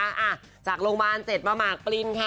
อ่ะจากโรงพยาบาลเจ็ดมามาร์กปลินค่ะ